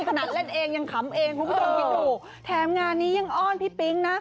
ขนาดเล่นเองยังขำเองคุณผู้ชมคิดดูแถมงานนี้ยังอ้อนพี่ปิ๊งนะ